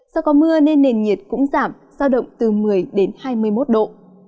do có mưa nên nền nhiệt cũng giảm giao động từ một mươi đến hai mươi một độ